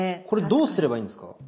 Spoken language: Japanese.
これどうすればいいんですか？